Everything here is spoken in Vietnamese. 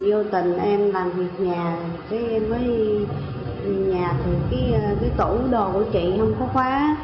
vô tình em làm việc nhà em mới nhìn nhà thì cái tủ đồ của chị không có khóa